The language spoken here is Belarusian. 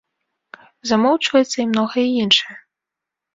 Замоўчваецца і многае іншае.